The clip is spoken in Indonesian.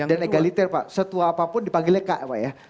dan egaliter pak setua apapun dipanggilnya kak ya pak